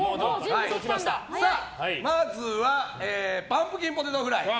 まずはパンプキンポテトフライ。